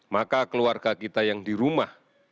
maka keluarga kita yang di rumah